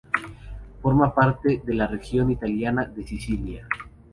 Forma parte de la región italiana de Sicilia.